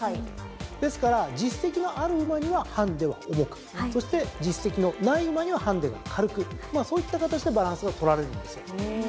ですから実績のある馬にはハンデは重くそして実績のない馬にはハンデが軽くまあそういった形でバランスが取られるんですよ。